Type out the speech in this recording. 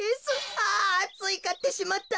あついかってしまった。